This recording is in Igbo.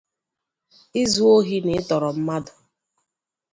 izu ohi na ịtọrọ mmadụ.